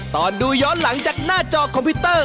ตอนดูย้อนหลังจากหน้าจอคอมพิวเตอร์